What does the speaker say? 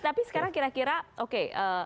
tapi sekarang kira kira oke